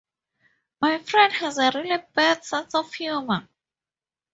My friend has a really bad sense of humour.